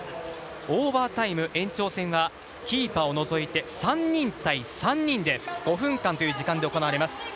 オーバータイム、延長戦はキーパーを除いて３人対３人で５分間という時間で行われます。